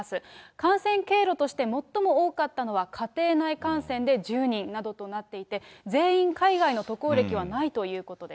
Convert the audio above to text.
感染経路として最も多かったのは家庭内感染で１０人などとなっていて、全員海外の渡航歴はないということです。